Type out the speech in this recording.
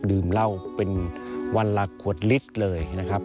ดื่มเหล้าเป็นวันละขวดลิตรเลยนะครับ